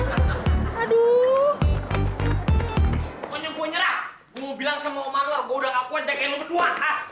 gue mau bilang sama omah lu aku udah gak mau ajakin lu berdua